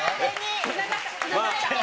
つながった。